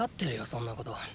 そんなこと！